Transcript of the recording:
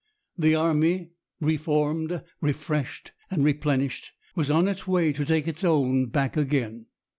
The army, reformed, refreshed, and replenished, was on its way to take its own back again.